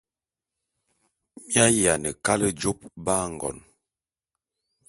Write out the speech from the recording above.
Mi ayiane kale jôp ba ngon.